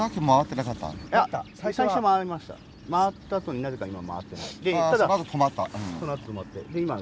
回ったあとになぜか今回ってない。